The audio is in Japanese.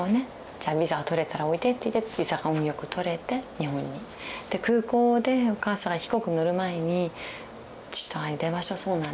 「じゃあビザが取れたらおいで」って言ってビザが運よく取れて日本に。で空港でお母さんが飛行機に乗る前に父と母に電話したそうなんです。